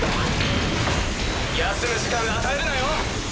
休む時間与えるなよ。